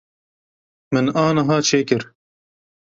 Min aniha çêkir.